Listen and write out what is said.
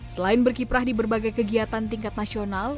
selain berkiprah di berbagai kegiatan tingkat nasional